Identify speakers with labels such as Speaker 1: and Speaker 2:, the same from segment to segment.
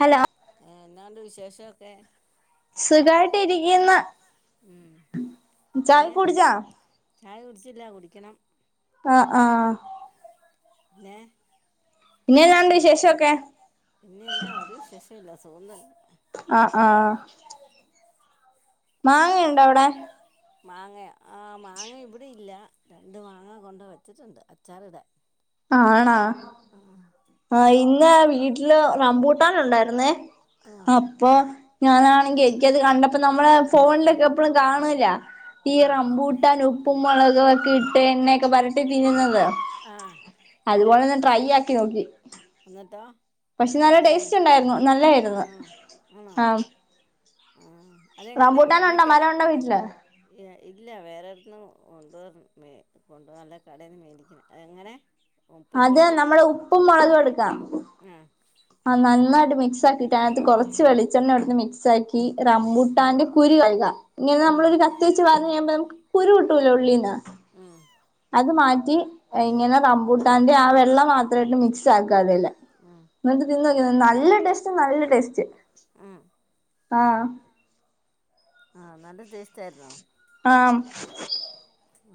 Speaker 1: Hello
Speaker 2: എന്നാണ്ട് വിശേഷൊക്കെ സുഖായിട്ടിരിക്കുന്ന് ഉം പിന്നെ ചായ കുടിച്ചോ ചായ കുടിച്ചില്ല കുടിക്കണം
Speaker 1: അ ആ
Speaker 2: പിന്നെ പിന്നെ എന്നാണ്ട് വിശേഷൊക്കെ പിന്നെന്ന ഒരു വിശേഷം ഇല്ല സുഖം തന്നെ
Speaker 1: അ ആഹ് മാങ്ങയുണ്ട അവടെ
Speaker 2: മാങ്ങയ ആഹ് മാങ്ങ ഇവിടെ ഇല്ല രണ്ട് മാങ്ങ കൊണ്ട് വച്ചിട്ടുണ്ട് അച്ചാറിടാൻ
Speaker 1: ആണാ ആ ഇന്ന വീട്ടില് റമ്പൂട്ടാന ണ്ടായിരുന്നേ അപ്പൊ ഞാനാണെങ്കി എനിക്കത് കണ്ടപ്പ നമ്മളെ ഫോണിലൊക്കെ എപ്പഴും കാണൂല്ല ഈ റംമ്പൂട്ടാൻ ഉപ്പും മൊളകും ഒക്കെ ഇട്ട് എണ്ണക്കെ പരട്ടി തിന്നുന്നത്
Speaker 2: ആഹ്
Speaker 1: അതുപോലൊന്ന് ട്രൈ ആക്കി നോക്കി പക്ഷെ നല്ല ടേസ്റ്റ് ഇണ്ടാരുന്നു നല്ലായിരുന്നു ആഹ്
Speaker 2: ആഹ് അതെങ്ങനെ എണ്ണക്കെ എ ഇല്ല വേറേരാട്ടത്ത്ന്ന് കൊണ്ടുവര് വേ കൊണ്ട് നല്ല കടയിൽന്ന് മേടിക്കണം അ എങ്ങനെ
Speaker 1: അത് നമ്മൾ ഉപ്പും മൊളകും എടുക്കാം
Speaker 2: ആഹ്
Speaker 1: ആഹ നന്നായിട്ട് മിക്സ് ആക്കിട്ട് അതിനകത്ത് കൊറച്ച് വെളിച്ചെണ്ണ എടുന്ന് മിക്സ് ആക്കി റമ്പബുട്ടാന്റെ കുരു കഴ്ക ഇങ്ങനെ നമ്മളൊരു കത്തി വെച്ച് വരഞ്ഞ ഴിയുമ്പോ നമുക്ക് കുരു കിട്ടൂലോ ഉള്ളീന്ന്
Speaker 2: മ്
Speaker 1: അത് മാറ്റി ഇങ്ങനെ റമ്പൂട്ടാന്റെ ആ വെള്ള മാത്രയിട്ട് മിക്സ്സ് ആക്ക അതില് എന്നിട്ട് തിന്ന് നോക്കി നല്ല ടേസ്റ്റ് നല്ല ടേസ്റ്റ് ആഹ്
Speaker 2: ആഹ്‌ നല്ല ടേസ്റ്റ് ആര്ന്നോ
Speaker 1: ആമ്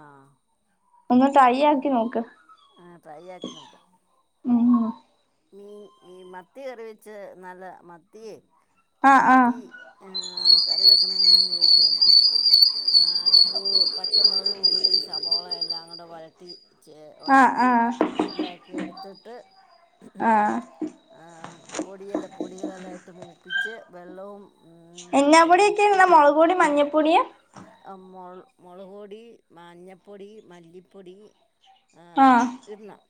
Speaker 2: ആഹ്
Speaker 1: ഒന്ന് ട്രൈ ആക്കി നോക്ക്
Speaker 2: ആ ട്രൈ ആക്കി നോക്ക
Speaker 1: [inaudible]
Speaker 2: മീൻ ഈ മത്തി കറിവച്ച് നല്ല മത്തിയെ മത്തി കറി വെക്കണ എങ്ങനെയന്ന് ചോദിച്ചാല് ആ ഉ ച്ചമുളക് ഉള്ളി സവോള എല്ലാം കുടെ വഴറ്റി ച ഉരട്ടി ഇതാക്കി എട്ത്ത്ട്ട് ആ പൊടിയെല്ലാം പൊടികളെല്ലാം ഇട്ട് മൂപ്പിച്ച് വെള്ളവും
Speaker 1: എന്നാ പൊടിയൊക്കെ ഇടുന്നേ മൊളക് പൊടി മഞ്ഞപ്പൊടിയ
Speaker 2: മൊൾ മൊളക്പൊടി മഞ്ഞപ്പൊടി മല്ലിപ്പൊടി ആഹ് ഇട്ണം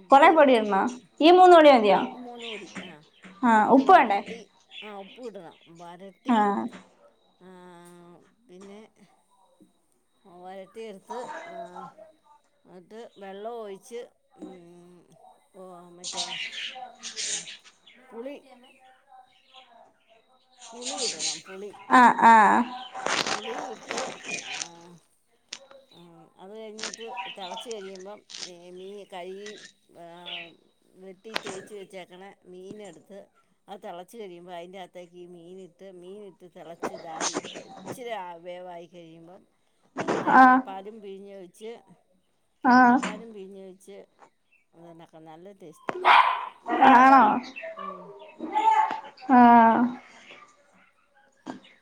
Speaker 2: ഇട്ട് ചൂ
Speaker 1: ഈ മൂന്ന് വ
Speaker 2: മൂന്നുകൂടി ആഹ് ഇട്ട് വരട്ടി ആഹ് ഉപ്പും ഇടണം വരട്ടി ആഹ് പിന്നെ ഓ വരട്ടി എടുത്ത് എന്ട്ട് വെള്ളോ ഒഴിച്ച് മ് മറ്റേ ഓ പുളി പുളി ഇടണം പുളി
Speaker 1: ആഹ ആഹ
Speaker 2: പുളിയിട്ട് ആഹ് ആ അത് കഴിഞ്ഞിട്ട് തെളച്ച്‌ കഴിയുമ്പം മീ മീൻ കഴുകി ആ വെട്ടി തേച്ച് വെച്ചേക്കണ മീന് എടുത്ത് അത് തിളച്ച് കഴിയുമ്പോ അയിൻ്റെകത്തേക്ക് ഈ മീൻ ഇട്ട് മീനിട്ട് തിളച്ച് ഇതായി ഇച്ചിരി ആ വേവായി കഴിയുമ്പം തേങ്ങാപ്പാലും പിഴിഞ്ഞ് ഒയിച്ച് തേങ്ങാപ്പാലും പീയിഞ്ഞ് വെച്ച് അത് ഉണ്ടാക്കാൻ നല്ല ടേസ്റ്റാ. ആണോ? ഉം.
Speaker 1: ആഹ്.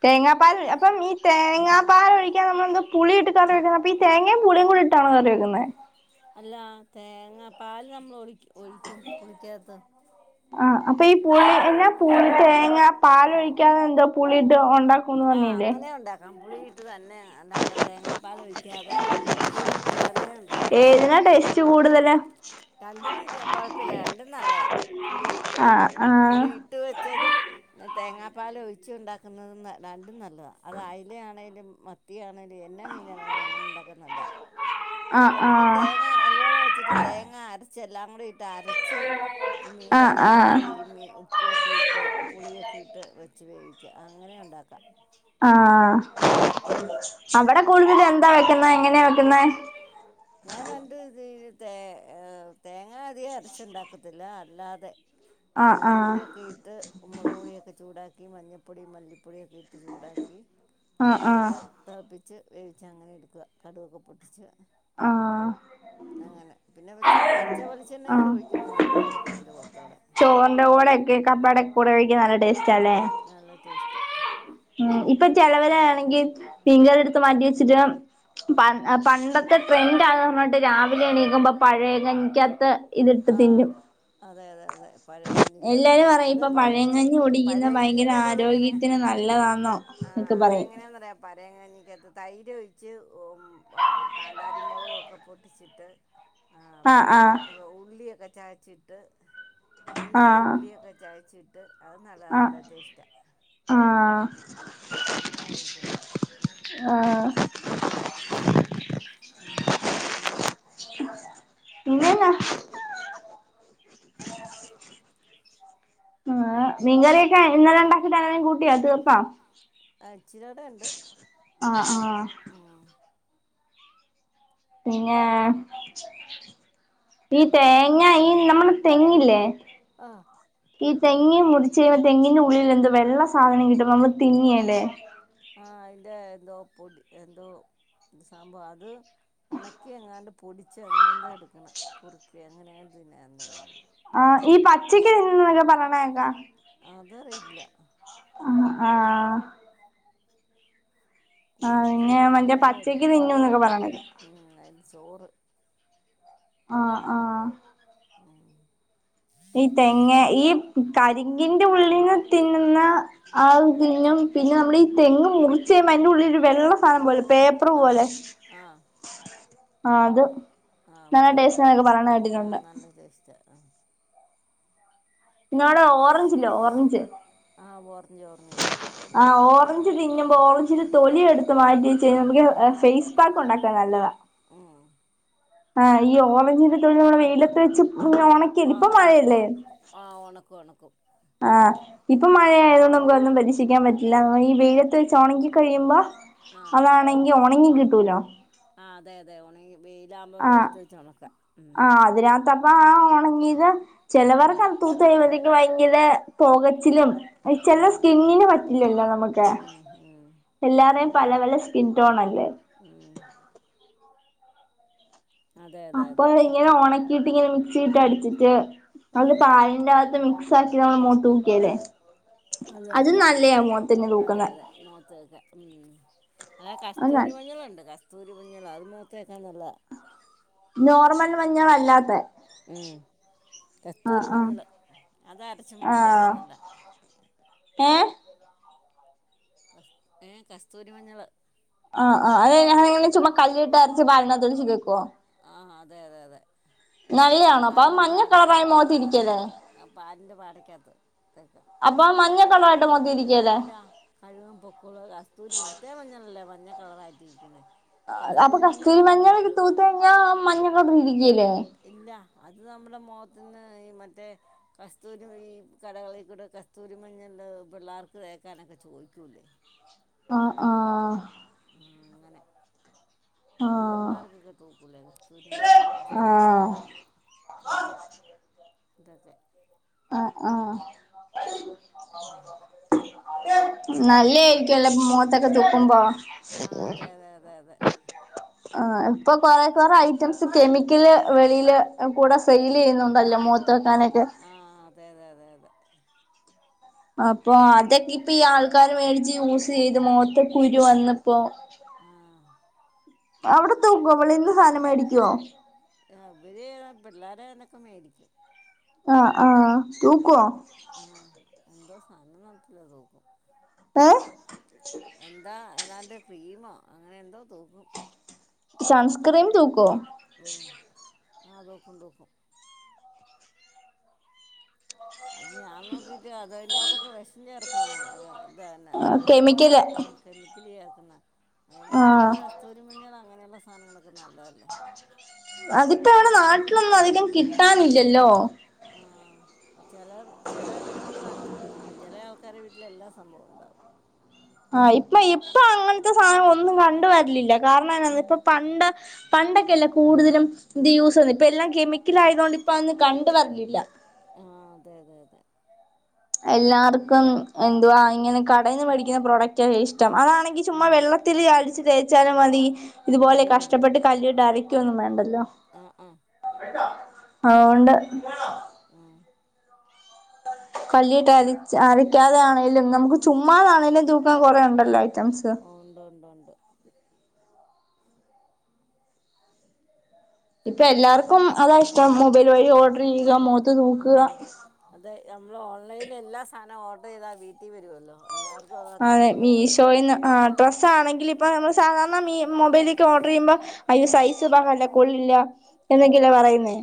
Speaker 1: തേങ്ങാപ്പാൽ അപ്പം ഈ തേങ്ങാപാൽ ഒഴിക്കാൻ നമ്മളെന്തോ പുളി ഇട്ടിട്ടുവേണ്ടേ വെക്കാൻ അപ്പൊ ഈ തേങേ പുളിയും കൂടി ഇട്ടാണോ കറി വെക്കുന്നെ?
Speaker 2: അല്ല തേങ്ങ പാൽ നമ്മൾ ഒളിക്ക് ഒഴിക്കും പുളിക്കത്ത്.
Speaker 1: ആ അപ്പൊ ഈ പുളി എന്ന പുളി തേങ്ങ പാലൊഴിക്കാതെന്തോ പുളിട്ട് ഒണ്ടാക്ക
Speaker 2: ആഹ് അങ്ങനെ ഉണ്ടാക്കാം പുളിയിട്ട് തന്നെ ഉണ്ടാക്കാം തേങ്ങാപ്പാലൊഴിക്കാതെ പുളിയി ട്ട് തന്നെ
Speaker 1: ഏതിനാ ടേസ്റ്റ് കൂടുതല്?
Speaker 2: രണ്ടിനും ര കൊഴപ്പില്ല രണ്ടും നല്ലതാ. പുളിയിട്ട് പുളിട്ട് ട്ട് വെച്ചതും പിന്ന തേങ്ങാപ്പാലൊഴിച്ച് ഉണ്ടാക്കുന്നതും ന രണ്ടും നല്ലതാ. അത് അയില ആണെലും മത് മത്തിയണെലും എന്നാ മീനാണെലും അങ്ങനെ ഉണ്ടാക്കാൻ നല്ലാ. അല്ലേ പിന്നെ തേങ്ങ അതുപോലെ വെച്ചിട്ട് തേങ്ങ അരച്ച് എല്ലാം കൂടി ഇട്ട് അരച്ച് ഈ മീന്റാത്തേക്കിട്ട് തരും മീ ഉം. ഉപ്പൊക്കെ ഇട്ട് പുളിയൊക്കെ ഇട്ട് വച്ച് വേവിക്ക. അങ്ങനെ ഉണ്ടാക്കാം.
Speaker 1: ആഹ്. അവിടെ കൂടുതൽ എന്താ വെക്കുന്നെ? എങ്ങനെയാ വെക്കുന്നെ?
Speaker 2: ഞാൻ രണ്ടു തിരി തേ തേങ്ങാ അതികം അരച്ചുണ്ടാക്കത്തില്ല അല്ലാതെ. ആഹ് പുളിയൊക്കെ ഇട്ട്. മൊളക്പൊടിയൊക്കെ ചൂടാക്കി മഞ്ഞപ്പൊടിയും മല്ലിപ്പൊടിയൊക്കെ ഇട്ട് ചൂടാക്കി മീനിട്ട് തെളപ്പിച്ച് വേവിച്ച് അങ്ങനെ എടുക്കുവാ. കടുവൊക്കെ പൊട്ടിച്ച്. അങ്ങനെ പിന്നെ വച്ചിരി പച്ചവെളിച് ച്ചെണ്ണ കൂടി ഒഴിക്കുവാണെ നല്ലതായിരിക്കും അയിന്റെ പൊറത്തോടെ.
Speaker 1: ചോറിന്റെ കൂടെയൊക്കെ കപ്പാടൊക്കെ കൂടെ കഴിക്കാൻ നല്ല ടേസ്റ്റാല്ലേ?
Speaker 2: നല്ല ടേസ്റ്റാ.
Speaker 1: ഉം ഇപ്പൊ ചെലവരാണെങ്കി ഫിൻങ്കർ എടുത്ത് മാറ്റി വെച്ചിട്ട് പൺ പണ്ടത്തെ ട്രെൻഡ് ആണ്ന്ന്‌ ട്ട് രാവിലെ എണീക്കുമ്പം പഴേ കഞ്ഞിക്ക്യാത്ത്.
Speaker 2: ആഹ് അതെ അതെ അതെ. പഴയ കഞ്ഞിക്കാത്തെ അത് പഴയ കഞ്ഞിക്ക് പഴയ കഞ്ഞിക്കാത്തതെങ്ങനെ? ആഹ് അതെങ്ങനെയാന്നറയൊ പറയ കഞ്ഞിക്കകത്ത് തൈര് ഒയി ച്ച് ഉം അ കാന്താരി മൊളകൊക്കെ പൊട്ടിച്ചിട്ട് ആഹ് പിന്നെ ഉള്ളിയൊക്കെ ചയച്ചിട്ട് ഇഞ്ചി ഉള്ളിയൊക്കെ ചയച്ചിട്ട് ട്ട് അത് നല്ലതാ നല്ല ടേസ്റ്റാ.
Speaker 1: ആഹ്.
Speaker 2: അങ്ങനായിക്കാൻ.
Speaker 1: ആഹ്.
Speaker 2: മ്. മ്. പിന്നെ?
Speaker 1: പിന്നെന്നാ? ആഹ് മീൻ കറിയൊക്കാ ഇന്നലെണ്ടാക്കീട്ട് ആരെലും കൂട്ടിയൊ തീർത്തോ
Speaker 2: ആഹ് ഇച്ചിരുടെണ്ട്
Speaker 1: ആ ആ പിന്നെ ഈ തേങ്ങ ഈ നമ്മള് തെങ്ങില്ലേ ഈ തെങ്ങ് മുറി ച്ചയുമ്പോ തെങ്ങിന്റെ ഉള്ളിലെന്തോ വെള്ള സാധനം കിട്ടുമ്പോ നമ്മള് തിന്നേലേ
Speaker 2: ആഹ് അയിന്റെ എന്തോ പൊടി എന്തോ സംഭവ അത് ഒണക്കി എങ്ങാണ്ട് പൊടിച്ച് അങ്ങനെന്തോ എട്ക്കണം കുറുക്കി അങ്ങനെയാണ് തിന്നാനെന്ന് തോന്നുന്നു
Speaker 1: ആഹ് ഈ പച്ചക്ക് തിന്ന്ന്നെന്നൊക്കെ പറിണകേക്കാ
Speaker 2: അതറിയില്ല
Speaker 1: ആ ആ.
Speaker 2: കുറുക്കിയൊ അങ്ങനെന്തോര്ന്നു ചോറ് ഉം അയിന്റെ ചോറ്
Speaker 1: ആഹ് ആഹ്
Speaker 2: മ്മ്
Speaker 1: ഈ തെങ്ങേഈ കരിങ്കിന്റെ ഉള്ളിന്നു തിന്നുന്ന അതും തിന്നും പിന്നെ നമ്മളീ തെങ്ങ് മുറ് ചെയ്യുമ്പം അയിന്റെ ഉള്ളില് ഒര് വെള്ള സാധനം പോലെ പേപ്പർ പോലെ
Speaker 2: ആ
Speaker 1: ആഹ് അത് നല്ല ടേസ്റ്റ്ന്നൊക്കെ പറയ്ണ കേട്ടിട്ട്ണ്ട്
Speaker 2: ച്ച ആഹ്
Speaker 1: ഇങ്ങളോടെ ഓറഞ്ച്ല്ലേ ഓറഞ്ച്
Speaker 2: ആഹ് ഓറഞ്ച് ഓറഞ്ച്
Speaker 1: ആഹ് ഓറഞ്ച് തിന്നുമ്പോ ഓറഞ്ച്ന്റെ തൊലി എട്ത്ത് മാറ്റി വെച്ചഴിഞ്ഞാ നമുക്ക് ഈ ഫേസ് പാക്ക് ഉണ്ടാക്കാൻ നല്ലതാ
Speaker 2: ഉം
Speaker 1: ആഹ് ഈ ഓറഞ്ചിന്റെ തൊലി നമ്മള് വെയിലത്ത് വെച്ച്
Speaker 2: ആ ഉണക്കും ആ ഉണക്കും ഉണക്കും.
Speaker 1: ആഹ് ഇപ്പൊ മഴയതോ ഒന്നും നമുക്ക് ഒന്നും പരീക്ഷിക്കാൻ പറ്റില്ല ഈ വെയിലത്ത് വെച്ച് ഉണക്കി കഴിയുമ്പോ അതാണെങ്കി ഒണങ്ങി കിട്ടൂലോ
Speaker 2: ആഹ് അതെയതെ ഒണങ്ങി വെയിലാവുമ്പോ വെയിലത്ത് വെച്ച് ഒണക്കാ ഉം
Speaker 1: ഇതാ പ്പ ആ ഉണങ്ങീത്. ചെലവർക്കത് തൂത്ത്യ്യുമ്പത്തേക്കും ഭയങ്കര പോകച്ചിലും ചെല സ്കിനിന് പ റ്റില്ലല്ലോ നമക്ക് എല്ലാരേം പല പല സ്കിൻ ടോണല്ലേ
Speaker 2: ഉം
Speaker 1: അപ്പൊ ഇങ്ങനെ ഒണക്കീട്ട് ഇങ്ങനെ മിക്സിയിട്ട് അടിച്ചിട്ട് അത് പാലിന്റെ അകത്ത് മിക്സാക്കി നമ്മള് മോത്തു തൂക്കേലേ അത് നല്ലയാ മോത്തു തൂക്കുന്നത് [unintelligible]
Speaker 2: മഖത്തൊക്കെ [unintelligible] ഉം ആ കസ്തൂരി മഞ്ഞളുണ്ട് കസ്തൂരി മഞ്ഞൾ അത് മോത്തെക്കാ നല്ലതാ
Speaker 1: നോർമൽ മഞ്ഞൾ അല്ലാത്ത
Speaker 2: ഉം കസ്ത്തൂരി മഞ്ഞള് അത് അരച്ച് മൊത്ത്ത്തേക്കാ നല്ലാ
Speaker 1: ഏഹ്
Speaker 2: കസ് ഏഹ് കസ്തൂരി മഞ്ഞള്
Speaker 1: ആഹ് ആഹ് അത് ഞങ്ങളിങ്ങനെ ചുമ്മാ കല്ലിട്ട് അരച്ച് [unintelligible] തേക്കോ
Speaker 2: ആഹ് അതെ അതെ അതെ പാലിന്റെ പാടക്കെ ആഹ് പാലിന്റെ പാടക്കകത്ത് തേക്കാ ഇല്ല കഴ്കാം പൊക്കൊളു കസ്തൂരി മറ്റേ മഞ്ഞളല്ലേ മഞ്ഞ കളറായിട്ടിരിക്ക്ണെ
Speaker 1: അപ്പൊ കസ്തൂരി മഞ്ഞളൊക്കെ തൂത്ത്ഴിഞ്ഞാ ആ മഞ്ഞക്കളറ് ഇരിക്കിലേ
Speaker 2: ഇല്ല അത് നമ്മുടെ മോത്ത്ന്ന് ഈ മറ്റേ കസ്തൂരിമ ഈ കടകളിക്കൂടെ കസ്തൂരി മഞ്ഞള് പിള്ളേർക്ക് തേക്കാനൊക്കെ ചോദിക്കൂല്ലേ
Speaker 1: ആഹ് ആഹ്
Speaker 2: ആഹ് അങ്ങനെ കുഞ്ഞു പിള്ളേർക്കൊക്കെ തൂക്കൂലേ കസ്തൂരി മഞ്ഞള് കസ്തൂരിമഞ്ഞളും അതെ ദതെ
Speaker 1: ആഹ് ആഹ് നല്ല ആയിരിക്കുമല്ലേ മുഖത്തൊക്കെ തൂക്കുമ്പോ
Speaker 2: അതെ അതെ അതെ
Speaker 1: ആഹ് ഇപ്പൊ കൊറെ കൊറെ ഐറ്റംസ് കെമിക്കല് വെളിയില് കൂടെ സെയിൽ ചെയ്യുന്നുണ്ടല്ലോ മൊ
Speaker 2: ആഹ് അതെ അതെ അതെ അതെ
Speaker 1: അപ്പൊ അതൊക്കെ ഇപ്പ ഈ ആൾക്കാർ മേടിച്ച് യൂസ് ചെയ്ത് മുഖത്ത് കുരു വന്നപ്പോ
Speaker 2: ആഹ്
Speaker 1: അവിടെ തൂക്കുവോ വെളിന്ന് സാധനം മേടിക്കുവോ
Speaker 2: അ ഇവര് പിള്ളേര് അയിന്നൊക്കെ മേടിക്കും
Speaker 1: ആഹ് ആഹ് തൂക്കുവോ
Speaker 2: ആഹ് എന്തോ സാധനോന്ന് അറിയത്തില്ല തൂക്കും
Speaker 1: ഏ
Speaker 2: എന്താ ഏതാണ്ട് ക്രീമോ അങ്ങനെ എന്തോ തൂക്കും ഉം ആ തൂക്കും തൂക്കും അത് ഞാൻ നോക്കിട്ട് അതിന്റെ അകത്തൊക്കെ വിഷം ചേർക്കണതാണ് ഇത് തന്നെ നല്ലത് ന കെമിക്കല് ചേർക്കുന്ന അത് നല്ലത് കസ്തൂരി മഞ്ഞൾ അങ്ങനെയുള്ള സാധനങ്ങളൊക്കെ നല്ലതല്ലേ
Speaker 1: [unintelligible] അതിപ്പോ അവിടെ നാട്ടിലൊന്നും അധികം കിട്ടാനില്ലല്ലോ
Speaker 2: ആഹ് ചിലർ ചിലർ നമ്മൾ നട്ടുപിടിപ്പിക്കും ചില ആൾക്കാരുടെ വീട്ടില് എല്ലാ സംഭവവും ഉണ്ടാവും
Speaker 1: ആഹ് ഇപ്പൊ ഇപ്പൊ അങ്ങനത്തെ സാധനങ്ങൾ ഒന്നും കണ്ട് വരിലില്ല കാരണം എന്നാന്നോ ഇപ്പൊ പണ്ട് പണ്ടൊക്കെ അല്ലേ കൂടുതലും ഇത് യൂസ് വന്നേ ഇപ്പം എല്ലാം കെമിക്കൽ ആയതുകൊണ്ട് ഇപ്പ അന്ന് കണ്ടു വരലില്ല
Speaker 2: ആഹ് അതെ അതെ അതെ
Speaker 1: എല്ലാവർക്കും എന്തുവാ ഇങ്ങനെ കടയിൽ നിന്ന് മേടിക്കുന്ന പ്രോഡക്റ്റ് നിക്കതാ ഇഷ്ടം അതാണെങ്കി ചുമ്മാ വെള്ളത്തിൽ അലിയിച്ച് തേച്ചാലും മതി ഇതുപോലെ കഷ്ടപ്പെട്ട് കല്ലീട്ട് അരയ്ക്കൊന്നും വേണ്ടല്ലോ
Speaker 2: ആഹ് ആഹ്
Speaker 1: [unintelligible] വേണ്ട
Speaker 2: ഉം
Speaker 1: കല്ലീട്ട് അരച് അരക്കാതെ ആണേലും നമുക്ക് ചുമ്മാതാണേലും തൂക്കാൻ കുറേ ഉണ്ടല്ലോ ഐറ്റംസ്
Speaker 2: ഉണ്ട് ഉണ്ട് ഉണ്ട്
Speaker 1: ഇപ്പം എല്ലാർക്കും അതാ ഇഷ്ടം മൊബൈൽ വഴി ഓർഡർ ചെയ്യുക മുഖത്ത് തൂക്കുക
Speaker 2: അതെ നമ്മൾ ഓൺലൈനിൽ എല്ലാ സാധനവും ഓർഡർ ചെയ്താൽ വീട്ടിൽ വരുമല്ലോ എല്ലാവർക്കും അതാ കാശ് കൊടുത്ത് വീട്ടിൽ
Speaker 1: ഡ്രസ്സ്‌ ആണെങ്കിലും ഇപ്പം നമ്മൾ സാധാരണ മി മൊബൈലിലേക്ക് ഓർഡർ ചെയ്യുമ്പോൾ അയ്യോ സൈസ് പാകല്ല കൊള്ളില്ല എന്നൊക്കെയല്ലേ പറയുന്നേ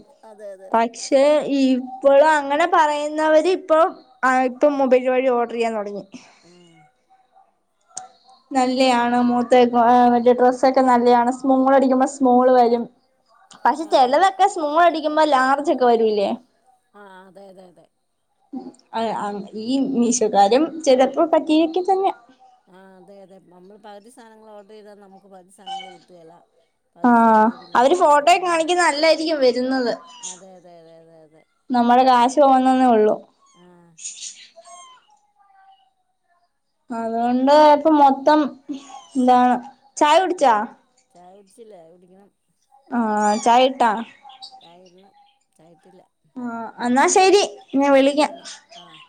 Speaker 1: പക്ഷ് ഇപ്പൊളും അങ്ങനെ പറയുന്നവര് ഇപ്പൊളും ആഹ് ഇപ്പം മൊബൈൽ വഴി ഓർഡർ ചെയ്യാൻ തുടങ്ങി
Speaker 2: ആഹ്
Speaker 1: നല്ലയാണോ മോ മറ്റേ ഡ്രസ്സൊക്കെ നല്ലതാണ് സ്മോൾ അടിക്കുമ്പോൾ സ്മോൾ വരും പക്ഷെ ചെലതൊക്കെ സ്മോൾ അടിക്കുമ്പോ ലാർജ് ഒക്കെ വരൂല്ലേ
Speaker 2: ആഹ് അതെ അതെ അതെ
Speaker 1: അഹ് അഹ് ഈ മീഷോകാരും ചെലപ്പോ പറ്റീരൊക്കെ തന്നെ
Speaker 2: ആഹ് അതെ അതെ നമ്മൾ പക്‌തിസാധനങ്ങള് ഓഡർ ചെയ്താൽ നമക്ക് പകതി സാധനങ്ങള് കിട്ടുകേല പകു‌തി സാധനങ്ങള് പിന്നേ കിട്ടുള്ളൂ അങ്ങനെയൊക്കെ അതെ അതെ അതെ അതെ അതെ
Speaker 1: നമ്മളെ കാശ് പോന്നന്നേ ഉള്ളു
Speaker 2: ആഹ്
Speaker 1: അതൊണ്ട് ഇപ്പൊ മൊത്തം എന്താ
Speaker 2: ആ ചായ കുടിച്ചീല്ല കുടിക്കണം
Speaker 1: ആഹ് ചായിട്ടാ
Speaker 2: ചായിടണം ചായിട്ടില്ല എന്നാ ശരി ശരി എന്നാ ആഹ്